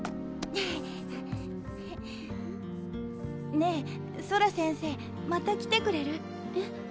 ねえソラ先生また来てくれる？え？